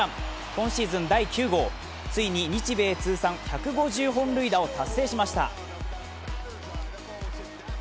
今シーズン第９号ついに日米通算１５０号本塁打を達成しました。